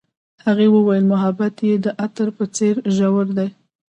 هغې وویل محبت یې د عطر په څېر ژور دی.